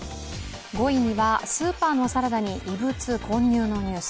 ５位には、スーパーのサラダに異物混入のニュース。